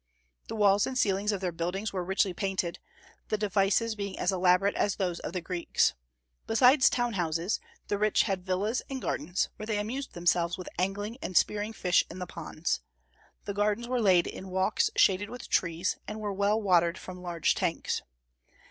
The walls and ceilings of their buildings were richly painted, the devices being as elaborate as those of the Greeks. Besides town houses, the rich had villas and gardens, where they amused themselves with angling and spearing fish in the ponds. The gardens were laid in walks shaded with trees, and were well watered from large tanks.